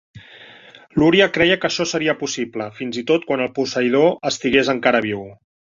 Luria creia que això seria possible, fins i tot quan el posseïdor estigués encara viu.